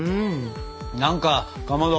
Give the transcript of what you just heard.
何かかまど。